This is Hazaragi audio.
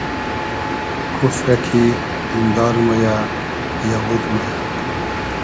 کوفرۂ کی دیندار مۉ یۂ , یئوود مۉ یۂ